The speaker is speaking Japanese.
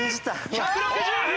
１６０！